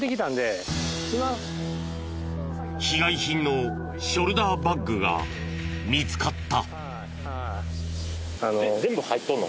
被害品のショルダーバッグが見つかった。